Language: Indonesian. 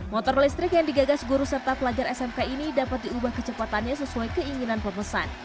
motor listrik yang digagas guru serta pelajar smk ini dapat diubah kecepatannya sesuai keinginan pemesan